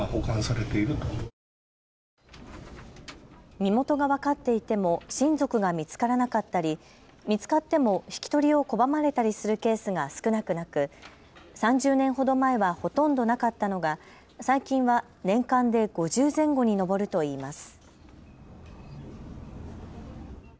身元が分かっていても親族が見つからなかったり見つかっても引き取りを拒まれたりするケースが少なくなく３０年ほど前はほとんどなかったのが最近は年間で５０前後に上るといいます。